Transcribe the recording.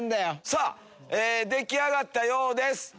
さぁ出来上がったようです。